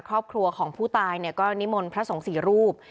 ครอบครัวของผู้ตายเนี่ยก็นิมลพระสงสีรูป